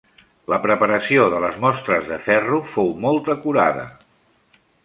La preparació de les mostres de ferro fou molt acurada.